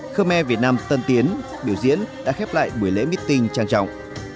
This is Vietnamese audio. khmer việt nam tân tiến biểu diễn đã khép lại buổi lễ meeting trang trọng